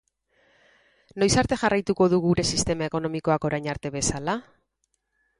Noiz arte jarraituko du gure sistema ekonomikoak orain arte bezala?